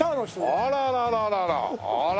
あららららら。